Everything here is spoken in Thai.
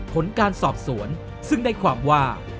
ผลการสอบสวนซึ่งได้ความว่า